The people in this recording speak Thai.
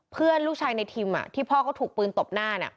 เพื่อนลูกชายในทิมที่พ่อเขาถูกปืนตบหน้า